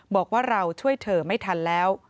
บอกว่าเราช่วยเธอไม่ทันแล้ว